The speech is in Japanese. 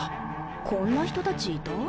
こんな人たちいた？